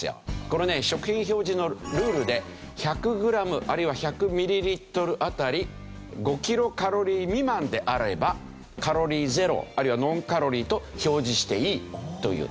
これね食品表示のルールで１００グラムあるいは１００ミリリットル当たり５キロカロリー未満であればカロリーゼロあるいはノンカロリーと表示していいという。